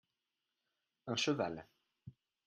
Un cheval.